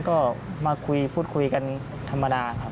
ก็มาคุยพูดคุยกันธรรมดาครับ